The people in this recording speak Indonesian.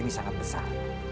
ini adalah anggah besar